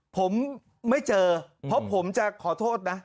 ผมไม่เจอเพราะผมจะขอโทษนะ